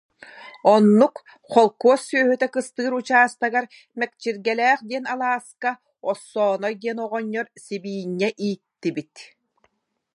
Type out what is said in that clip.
Оннук, холкуос сүөһүтэ кыстыыр учаастагар, Мэкчиргэлээх диэн алааска Оссооной диэн оҕонньор сибиинньэ ииттибит